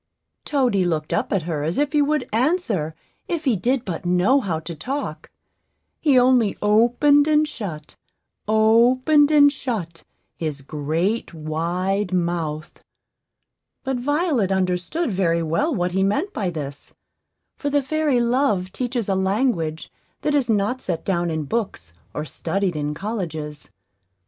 Toady looked up at her as if he would answer if he did but know how to talk; he only opened and shut, opened and shut, his great wide mouth; but Violet understood very well what he meant by this; for the fairy Love teaches a language that is not set down in books or studied in colleges.